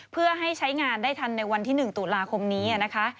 เพื่อให้ใช้งานได้ทันในวันที่๑ตุลาคมนี้นะคะ